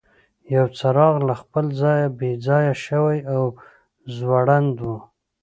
یو څراغ له خپل ځایه بې ځایه شوی او ځوړند و.